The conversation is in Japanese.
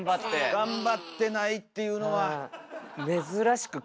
頑張ってないっていうのは。